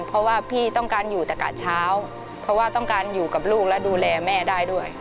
เพราะว่าพี่ต้องการอยู่แต่กะเช้าเพราะว่าต้องการอยู่กับลูกและดูแลแม่ได้ด้วย